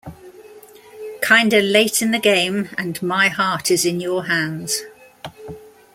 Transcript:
Kinda late in the game and my heart is in your hands.